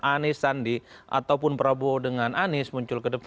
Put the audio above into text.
anies sandi ataupun prabowo dengan anies muncul ke depan